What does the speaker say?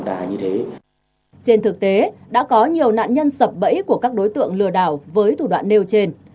trên thực tế đã có nhiều nạn nhân sập bẫy của các đối tượng lừa đảo với thủ đoạn nêu trên